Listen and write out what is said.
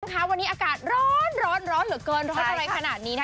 ค่ะวันนี้อากาศร้อนร้อนเหลือเกินร้อนอะไรขนาดนี้นะคะ